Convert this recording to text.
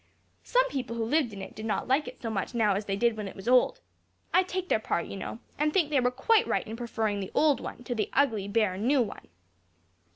Some people who lived in it did not like it so much now as they did when it was old. I take their part, you know, and think they were quite right in preferring the old one to the ugly, bare, new one.